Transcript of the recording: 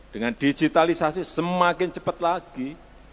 dengan digitalisasi semakin cepat lagi